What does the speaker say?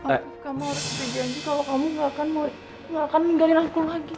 aku mau berjanji kalau kamu gak akan meninggalin aku lagi